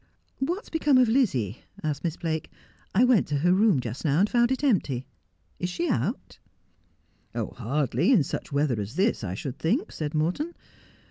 ''' What has become of Lizzie?' asked Miss Blake. 'I went to her room just now and found it empty. Is she out ?' 'Hardly, in such weather as this, I should think,' said Morton.